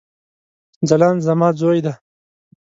ځلاند زما ځوي دی